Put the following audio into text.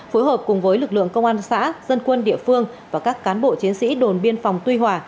phối hợp cùng với lực lượng công an xã dân quân địa phương và các cán bộ chiến sĩ đồn biên phòng tuy hòa